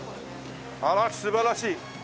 あら素晴らしい。